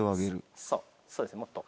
そうですもっと。